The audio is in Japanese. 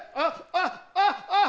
あっあっ！